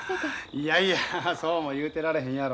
いやいやそうも言うてられへんやろ。